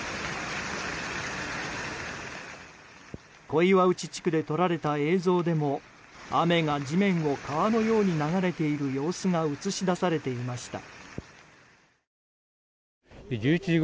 小岩内地区で撮られた映像でも雨が地面を川のように流れている様子が映し出されていました。